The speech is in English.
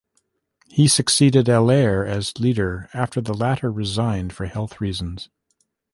He succeeded Allaire as leader after the latter resigned for health reasons.